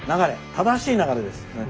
正しい流れです。